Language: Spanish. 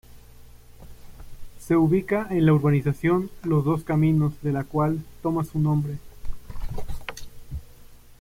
Se ubica en la urbanización Los Dos Caminos, de la cual toma su nombre.